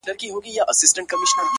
• په توبو یې راولمه ستا تر ځایه,